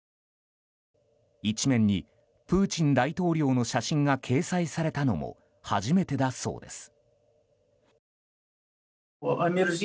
１面にプーチン大統領の写真が掲載されたのも初めてだそうです。